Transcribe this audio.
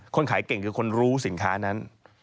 คนขายเก่งคือคนรู้สินค้านั้น